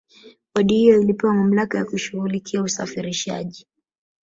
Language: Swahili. bodi hiyo ilipewa mamlaka ya kushughulikia usafirishaji